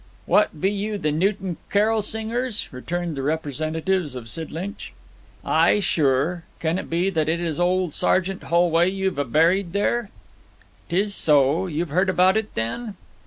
'What be you the Newton carol singers?' returned the representatives of Sidlinch. 'Ay, sure. Can it be that it is old Sergeant Holway you've a buried there?' ''Tis so. You've heard about it, then?'